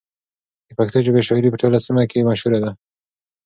د پښتو ژبې شاعري په ټوله سیمه کې مشهوره ده.